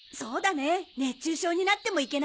熱中症になってもいけないし。